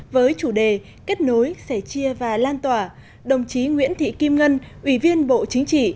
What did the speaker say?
với chủ đề kết nối sẻ chia và lan tỏa đồng chí nguyễn thị kim ngân ủy viên bộ chính trị